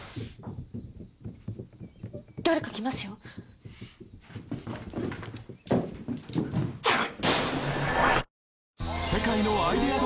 誰か来ますよ。早く！